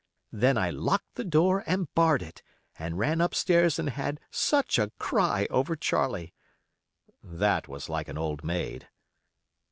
Then I locked the door and barred it, and ran up stairs and had such a cry over Charlie. [That was like an old maid.